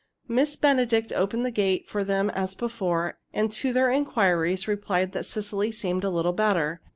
Miss Benedict opened the gate for them as before, and to their inquiries replied that Cecily seemed a little better.